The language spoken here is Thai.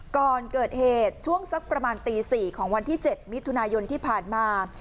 ก่อนเกิดเหตุช่วงสักประมาณตี๔ของวันที่๗มิถุนายนที่ผ่านมา